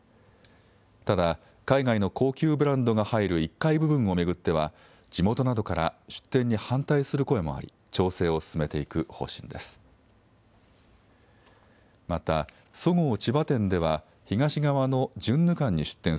ただ、海外の高級ブランドの入る１階部分を巡っては、地元などから出店に反対する声もあり、調整を進めていく方針です。